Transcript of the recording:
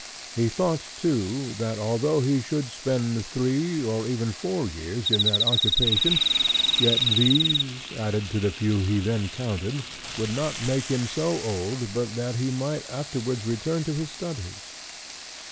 He thought, too, that although he should spend three, or even four years in that occupation, yet these, added to the few he then counted, would not make him so old but that he might afterwards return to his studies.